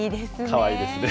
かわいいですね。